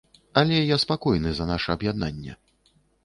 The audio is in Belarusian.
Але я спакойны за наша аб'яднанне.